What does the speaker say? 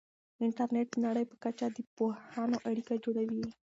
انټرنیټ د نړۍ په کچه د پوهانو اړیکه جوړوي.